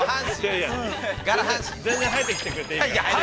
◆全然入ってきてくれていいから。